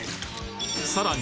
さらに